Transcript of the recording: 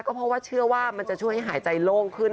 เพราะว่าเชื่อว่ามันจะช่วยให้หายใจโล่งขึ้น